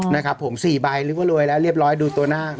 นะครับผม๔ใบเรียกว่ารวยแล้วเรียบร้อยดูตัวนาค